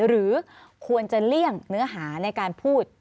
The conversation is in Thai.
หรือควรจะเลี่ยงเนื้อหาในการพูด